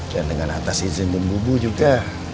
dan dengan atas izin bumbu bumbu juga